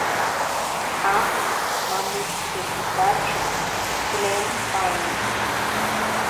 Amo mamitstekipacho tlen panos